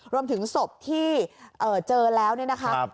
รวมถึงศพที่เอ่อเจอแล้วเนี่ยนะคะครับ